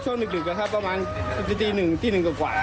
ช่วงดึกครับประมาณสิบทีหนึ่งสิบทีหนึ่งกว่า